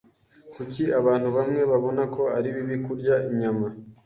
Kuki abantu bamwe babona ko ari bibi kurya inyama?